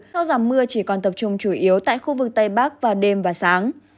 sau giảm mưa chỉ còn tập trung chủ yếu tại khu vực tây bắc vào đêm và sáng